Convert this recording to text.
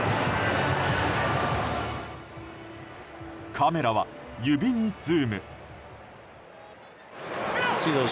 カメラは指にズーム。